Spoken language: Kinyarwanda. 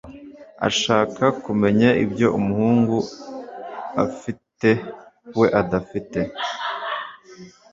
ashaka kumenya ibyo umuhungu afite we adafite